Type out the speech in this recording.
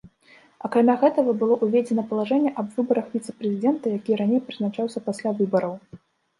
Акрамя гэтага, было ўведзена палажэнне аб выбарах віцэ-прэзідэнта, які раней прызначаўся пасля выбараў.